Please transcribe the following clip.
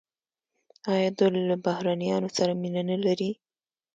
آیا دوی له بهرنیانو سره مینه نلري؟